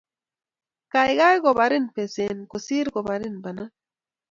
Kaikai koparin besen kosir koparin banan